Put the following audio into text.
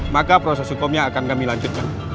maka proses hukumnya akan kami lanjutkan